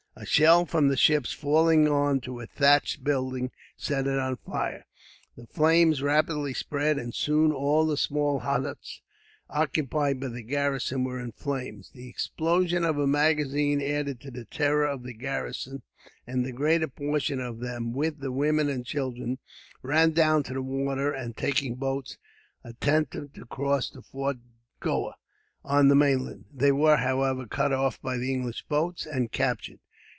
A shell from the ships, falling on to a thatched building, set it on fire. The flames rapidly spread, and soon all the small huts occupied by the garrison were in flames. The explosion of a magazine added to the terror of the garrison, and the greater portion of them, with the women and children, ran down to the water; and, taking boats, attempted to cross to Fort Goa, on the mainland. They were, however, cut off by the English boats, and captured.